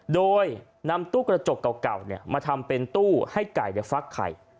โดยนำตู้กระจกเก่าเก่าเนี่ยมาทำเป็นตู้ให้ไก่จะฟักไข่